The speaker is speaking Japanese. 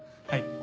はい。